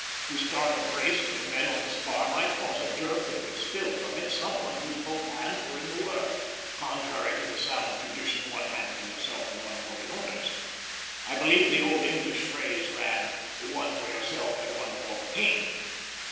To start a brace with the men on the spar might cause a jerk that would spill from it some one whose both hands were in the work, contrary to the sound tradition, "One hand for yourself and one for the owners." I believe the old English phrase ran, "One for yourself and one for the king."